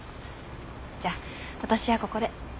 じゃあ私はここで。